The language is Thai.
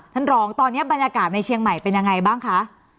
ท่านรองตอนนี้บรรยากาศในเชียงใหม่เป็นยังไงบ้างคะ